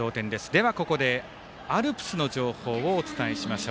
ではここでアルプスの情報をお伝えします。